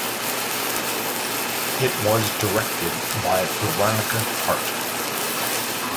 It was directed by Veronica Hart.